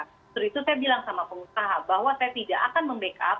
setelah itu saya bilang sama pengusaha bahwa saya tidak akan membackup